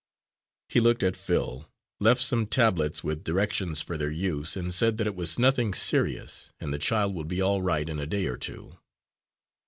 He looked at Phil, left some tablets, with directions for their use, and said that it was nothing serious and the child would be all right in a day or two.